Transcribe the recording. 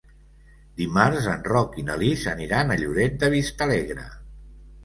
Dimarts en Roc i na Lis aniran a Lloret de Vistalegre.